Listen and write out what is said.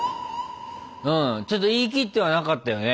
うんちょっと言い切ってはなかったよね。